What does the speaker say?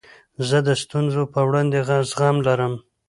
زه د ستونزو په وړاندي زغم لرم.